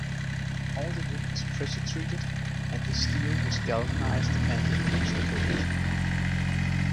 All the wood was pressure-treated, and the steel was galvanized and epoxy-coated.